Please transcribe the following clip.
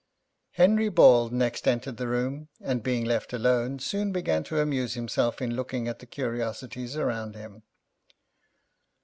Henry Ball next entered the room, and, being left alone, soon began to amuse himself in looking at the curiosities around him.